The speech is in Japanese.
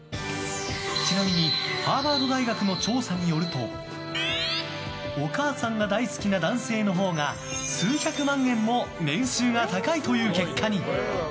ちなみにハーバード大学の調査によるとお母さんが大好きな男性のほうが数百万円も年収が高いという結果に。